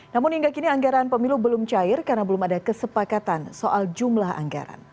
namun hingga kini anggaran pemilu belum cair karena belum ada kesepakatan soal jumlah anggaran